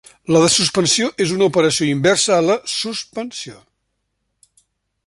La desuspensió és una operació inversa a la suspensió.